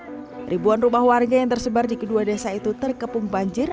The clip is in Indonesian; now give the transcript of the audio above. ribuan rumah warga yang tersebar di kedua desa itu terkepung banjir